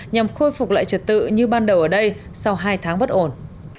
nhằm khôi phục lại trật tự như ban đầu ở đây sau hai tháng bất ổn